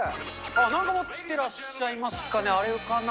なんか持ってらっしゃいますかね、あれかな？